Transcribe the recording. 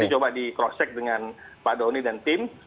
ini coba di cross check dengan pak doni dan tim